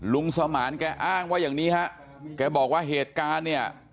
สมานแกอ้างว่าอย่างนี้ฮะแกบอกว่าเหตุการณ์เนี่ย